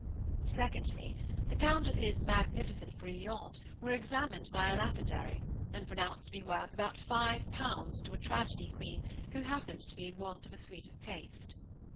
Secondly, the Countess's magnificent brilliants were examined by a lapidary, and pronounced to be worth about five pounds to a tragedy queen who happened to be in want of a suite of paste.